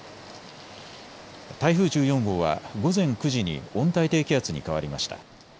台風１４号は午前９時に温帯低気圧に変わりました。